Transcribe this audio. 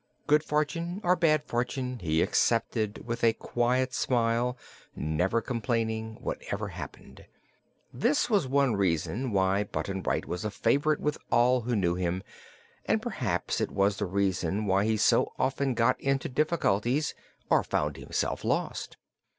Good fortune or bad fortune he accepted with a quiet smile, never complaining, whatever happened. This was one reason why Button Bright was a favorite with all who knew him and perhaps it was the reason why he so often got into difficulties, or found himself lost.